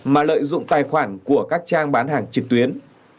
mà lợi dụng tài khoản của các trang bán hàng trực tuyến